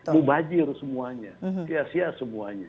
mubajir semuanya sia sia semuanya